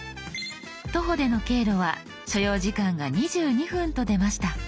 「徒歩」での経路は所要時間が２２分と出ました。